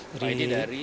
pak edi dari